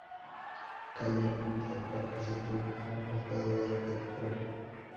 Calle, frente al Parque Central, a un costado de la Catedral.